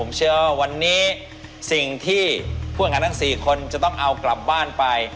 ผมเชื่อว่าวันนี้สิ่งที่ผู้การทั้ง๔คนจะต้องเอากลับบ้านไป